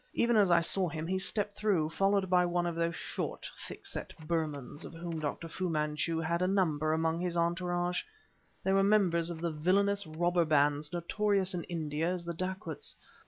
Even as I saw him, he stepped through, followed by on of those short, thick set Burmans of whom Dr. Fu Manchu had a number among his entourage; they were members of the villainous robber bands notorious in India as the dacoits.